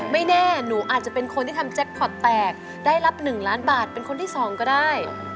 ไม่แน่หนูอาจจะเป็นคนที่ทำแจ็คพอร์ตแตกได้รับ๑ล้านบาทเป็นคนที่๒ก็ได้